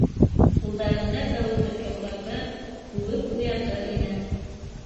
Ҡулдарында бәүетеп йоҡлатыр, үбеп уятыр ине.